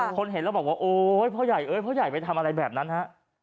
คนเห็นแล้วบอกว่าโอ๊ยพ่อใหญ่เอ้ยพ่อใหญ่ไปทำอะไรแบบนั้นฮะ